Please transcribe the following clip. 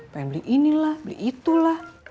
pengen beli inilah beli itulah